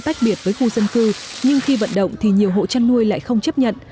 tạch biệt với khu dân cư nhưng khi vận động thì nhiều hộ trăn nuôi lại không chấp nhận